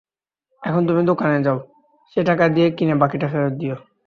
এখন তুমি দোকানে যাও, সেই টাকা দিয়ে কিনে বাকিটা ফেরত দিয়ো।